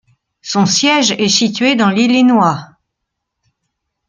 Son siège est situé dans l'Illinois.